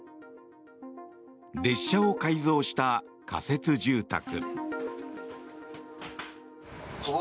列車を改造した仮設住宅。